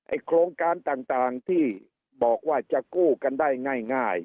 ไอ้โครงการต่างต่างที่บอกว่าจะกู้กันได้ง่ายง่าย